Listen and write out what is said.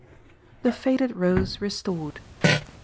The Faded Rose Restored.